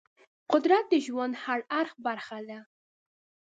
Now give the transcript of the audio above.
قدرت د ژوند د هر اړخ برخه ده.